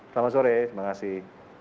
selamat sore terima kasih